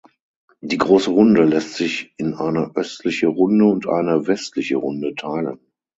Die Große Runde lässt sich in eine östliche Runde und eine westliche Runde teilen.